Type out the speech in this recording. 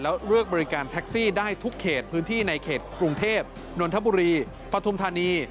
แล้วเลือกบริการแท็กซี่ได้ทุกเขตพื้นที่ในเขตกรุงเทพนนทบุรีปฐุมธานี